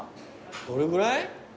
どれぐらい？